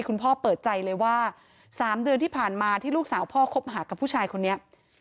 พ่อเปิดใจเลยว่า๓เดือนที่ผ่านมาที่ลูกสาวพ่อคบหากับผู้ชายคนนี้